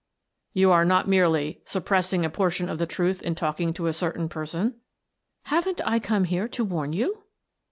" You are not merely —' suppressing a portion of the truth in talking to a certain person '?"" Haven't I come here to warn you?